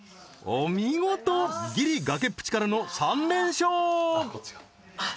お見事ギリ崖っぷちからの３連勝あっ